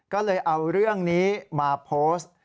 ก็เลยเอาเรื่องนี้มาโพสต์